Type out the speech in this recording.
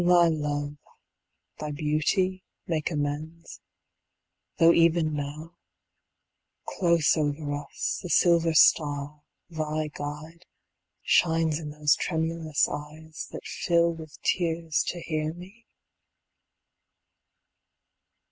Can thy love, Thy beauty, make amends, tho' even now, Close over us, the silver star, thy guide, Shines in those tremulous eyes that fill with tears To hear me?